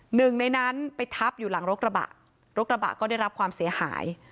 หนึ่งในนั้นไปทับอยู่หลังรถกระบะรถกระบะก็ได้รับความเสียหาย